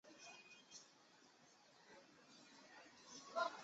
拉瓦尼亚是西班牙西北部加利西亚自治区拉科鲁尼亚省的一个市镇。